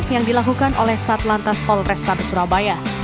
yang dilakukan oleh satlantas polrestabes surabaya